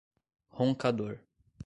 Roncador